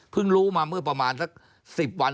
รู้มาเมื่อประมาณสัก๑๐วัน